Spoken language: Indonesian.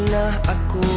nang aku jatuh